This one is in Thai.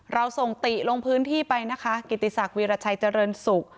เราส่งติลงพื้นที่ไปนะคะกิติศักดิราชัยเจริญศุกร์